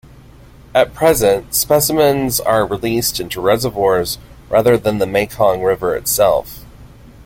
At present, specimens are released into reservoirs rather than the Mekong River itself.